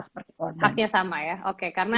seperti haknya sama ya oke karena